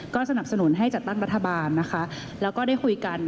ก็สนับสนุนให้จัดตั้งรัฐบาลนะคะแล้วก็ได้คุยกัน